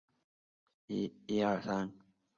繁体中文版由尖端出版发行。